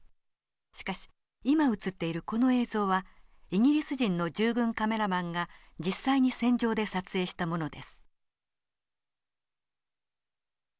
しかし今映っているこの映像はイギリス人の従軍カメラマンが実際に戦場で撮影したものです。